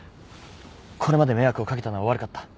これまで迷惑をかけたのは悪かった。